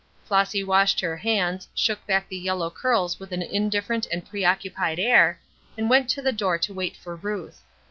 Flossy washed her hands, shook back the yellow curls with an indifferent and preoccupied air, and went to the door to wait for Ruth.